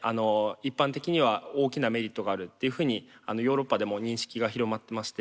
一般的には大きなメリットがあるっていうふうにヨーロッパでも認識が広まってまして。